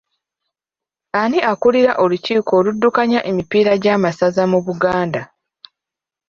Ani akulira olukiiko oluddukanya emipiira gya masaza mu Buganda?